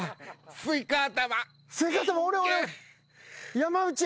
スイカ頭！